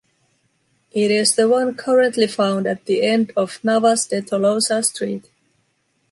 It is the one currently found at the end of Navas de Tolosa street.